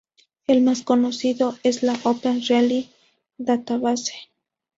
El más conocido es la Open Relay DataBase.